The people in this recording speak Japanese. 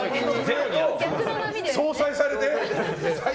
相殺されて？